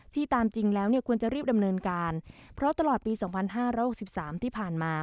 ที่ตามจริงแล้วเนี่ยควรจะรีบดำเนินการเพราะตลอดปีสองพันห้าร้อยสิบสามที่ผ่านมา